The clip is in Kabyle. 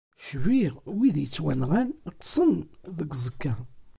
Cbiɣ wid yettwanɣan, ṭṭsen deg uẓekka.